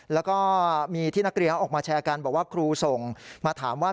แล้วก็มีที่นักเรียนเขาออกมาแชร์กันบอกว่าครูส่งมาถามว่า